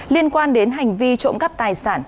liên quan đến hành vi trộm cắp tài sản